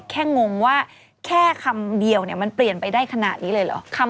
งงว่าแค่คำเดียวเนี่ยมันเปลี่ยนไปได้ขนาดนี้เลยเหรอ